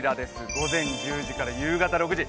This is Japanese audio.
午前１０時から夕方６時。